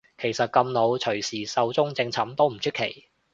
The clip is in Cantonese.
其實咁老隨時壽終正寢都唔出奇